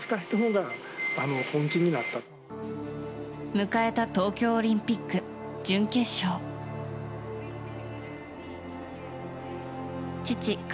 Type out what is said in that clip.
迎えた東京オリンピック準決勝。